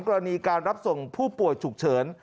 กรณีการรับส่งผู้ป่วยฉุกเฉิน